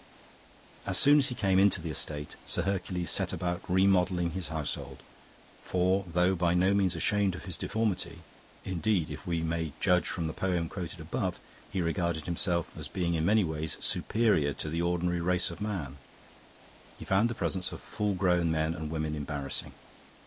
"As soon as he came into the estate, Sir Hercules set about remodelling his household. For though by no means ashamed of his deformity indeed, if we may judge from the poem quoted above, he regarded himself as being in many ways superior to the ordinary race of man he found the presence of full grown men and women embarrassing.